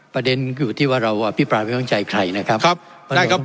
ประเด็นอยู่ที่ว่าเราอภิปรายไม่เข้าใจใครนะครับครับประธานครับ